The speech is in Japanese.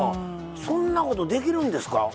そんなことできるんですか？